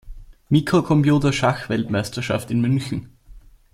Mikrocomputer-Schachweltmeisterschaft in München.